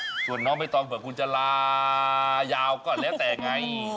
ส่วนน้องใบตองเผื่อคุณจะลายาวก็แล้วแต่ไง